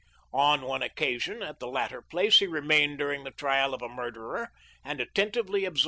On one occasion, at the latter place, he remained during the trial of a mur derer and attentively absorbed the proceedings.